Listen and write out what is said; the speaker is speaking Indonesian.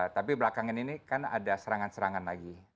tapi belakangan ini kan ada serangan serangan lagi